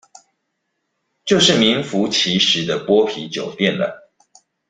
就是名符其實的剝皮酒店了